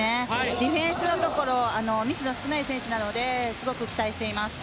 ディフェンスのところミスが少ない選手なのですごく期待しています。